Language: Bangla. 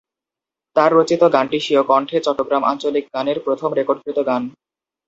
তার রচিত গানটি স্বীয় কন্ঠে চট্টগ্রাম আঞ্চলিক গানের প্রথম রেকর্ডকৃত গান।